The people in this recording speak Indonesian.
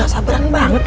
gak sabaran banget